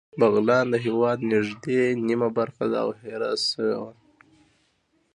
بغلان د هېواد نږدې نیمه برخه ده او هېره شوې وه